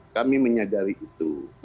kami menyadari itu